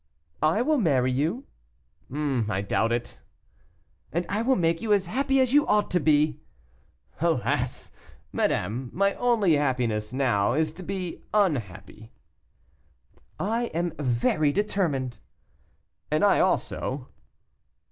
"I will marry you." "I doubt it." "And I will make you as happy as you ought to be." "Alas! madame, my only happiness now is to be unhappy." "I am very determined." "And I also."